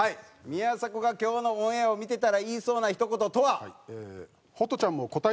宮迫が今日のオンエアを見てたら言いそうな一言とは？